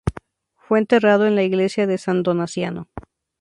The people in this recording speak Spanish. Fue enterrado en la iglesia de San Donaciano.